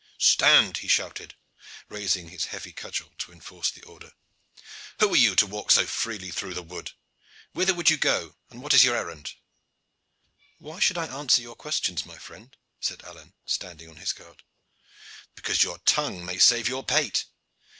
"Stand!" he shouted, raising his heavy cudgel to enforce the order. "Who are you who walk so freely through the wood? Whither would you go, and what is your errand?" "Why should I answer your questions, my friend?" said Alleyne, standing on his guard. "Because your tongue may save your pate.